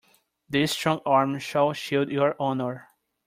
This strong arm shall shield your honor.